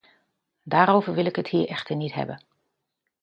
Daarover wil ik het hier echter niet hebben.